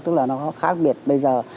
tức là nó khác biệt bây giờ